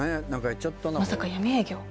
まさか闇営業？